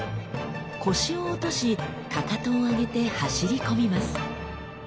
腰を落としかかとを上げて走り込みます。